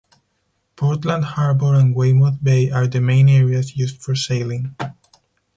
Portland Harbour and Weymouth Bay are the main areas used for sailing.